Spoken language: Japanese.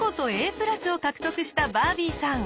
プラスを獲得したバービーさん。